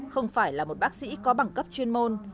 không phải là một bác sĩ có bằng cấp chuyên môn